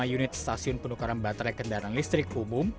tiga ratus delapan puluh lima unit stasiun penukaran baterai kendaraan listrik umum